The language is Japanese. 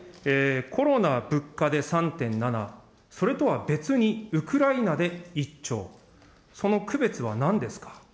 コロナ、物価で３．７、それとは別にウクライナで１兆、その区別はなんですか。